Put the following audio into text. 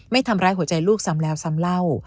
ทำร้ายหัวใจลูกซ้ำแล้วซ้ำเล่า